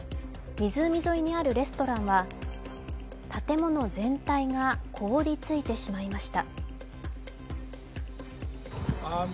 湖沿いにあるレストランは建物全体が凍りついてしました。